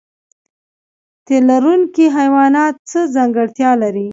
تی لرونکي حیوانات څه ځانګړتیا لري؟